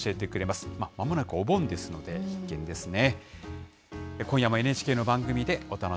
まもなくお盆ですので、必見ですね。